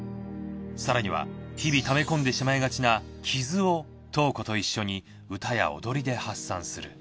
更には日々ため込んでしまいがちなキズをトウコと一緒に歌や踊りで発散する。